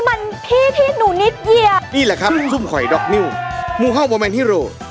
ไม่เคยรักหล่างหลักแต่ก็ยังรอข่าวรักคนเธอเป็นหลัก